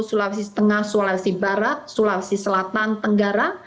sulawesi tengah sulawesi barat sulawesi selatan tenggara